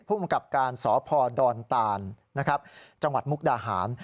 ผู้มันกลับการสพดอนตานนะครับจังหวัดมุกดาหาร